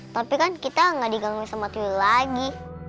tapi kan kita gak diganggu sama tuyul lagi